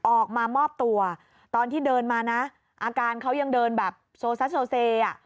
ออกมามอบตัวตอนที่เดินมานะอาการเขายังเดินแบบโซซัสโซเซอ่ะ